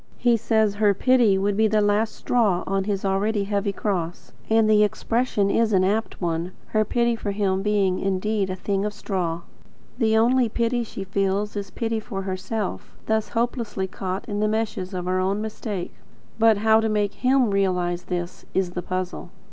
He says her pity would be the last straw on his already heavy cross; and the expression is an apt one, her pity for him being indeed a thing of straw. The only pity she feels is pity for herself, thus hopelessly caught in the meshes of her own mistake. But how to make him realise this, is the puzzle.